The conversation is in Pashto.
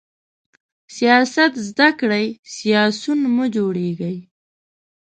سیاست زده کړئ، سیاسیون مه جوړیږئ!